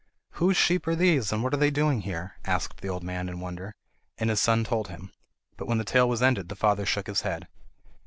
"Whose sheep are these, and what are they doing here?" asked the old man in wonder, and his son told him. But when the tale was ended the father shook his head.